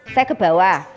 saya ke bawah